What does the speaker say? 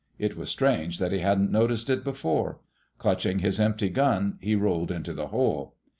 It was strange that he hadn't noticed it before. Clutching his empty gun, he rolled into the hole.